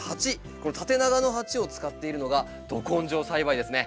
この縦長の鉢を使っているのがど根性栽培ですね。